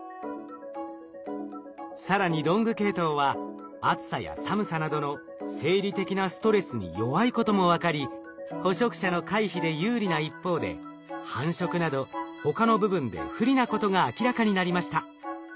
更にロング系統は暑さや寒さなどの生理的なストレスに弱いことも分かり捕食者の回避で有利な一方で繁殖など他の部分で不利なことが明らかになりました。